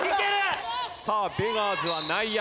さあベガーズは内野